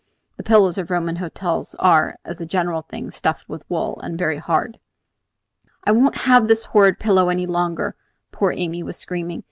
The pillows of Roman hotels are, as a general thing, stuffed with wool, and very hard. "I won't have this horrid pillow any longer," poor Amy was screaming.